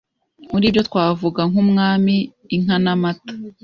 Muribyo twavuga nk’ Umwami, inka n’amata